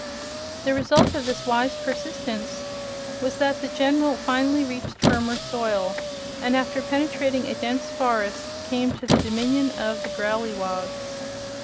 The result of this wise persistence was that the General finally reached firmer soil and, after penetrating a dense forest, came to the Dominion of the Growleywogs.